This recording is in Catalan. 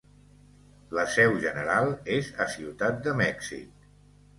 La seu general és a Ciutat de Mèxic.